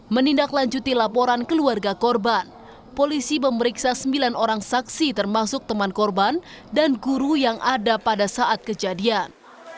menindaklanjuti laporan keluarga korban polisi memeriksa sembilan orang saksi termasuk teman korban dan guru yang ada pada saat kejadian